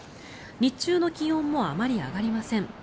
日中の気温もあまり上がりません。